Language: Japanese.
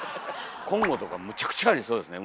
コンゴとかむちゃくちゃありそうですね。